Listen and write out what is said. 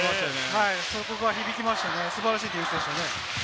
そこが響きましたね、素晴らしいディフェンスでしたね。